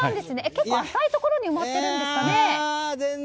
結構浅いところに埋まっているんですかね？